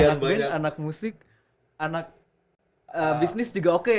anak anak musik anak bisnis juga oke ya